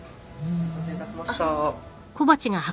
お待たせいたしました。